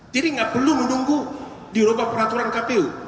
jadi gak perlu menunggu dirubah peraturan kpu